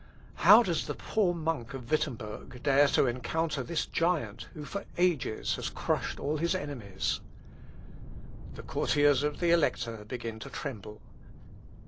How does the poor monk of Wittemberg dare to encounter this giant who for ages has crushed all his enemies? The courtiers of the Elector begin to tremble.